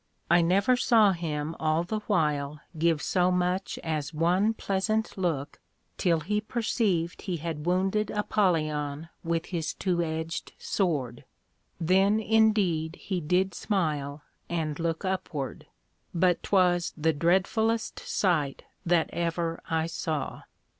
I never saw him all the while give so much as one pleasant look, till he perceived he had wounded Apollyon with his two edged Sword; then indeed he did smile, and look upward; but 'twas the dreadfullest sight that ever I saw.